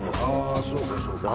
そうかそうか。